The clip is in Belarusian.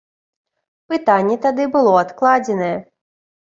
Пытанне тады было адкладзенае.